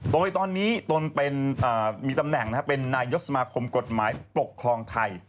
โดยตอนนี้ตนมีตำแหน่งเป็นนายกสมาคมกฎหมายปกครองไทย